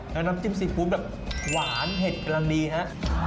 แล้วน้ำจิ้มซีปปุ๊บแบบหวานเห็ดกลางดีฮะ